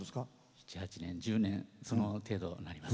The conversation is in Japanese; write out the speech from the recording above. ７８年、１０年その程度になります。